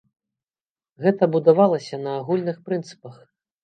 Гэта будавалася на агульных прынцыпах.